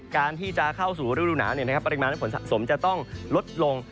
การที่จะเข้าสู่ฤดูหนาวเนี่ยนะครับปริมาณผลสะสมจะต้องลดลง